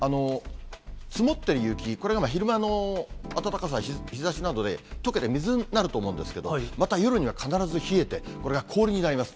積もってる雪、これが昼間の暖かさ、日ざしなどで、とけて水になると思うんですけど、また夜には必ず冷えて、これが氷になります。